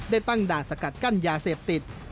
ตั้งด่านสกัดกั้นยาเสพติด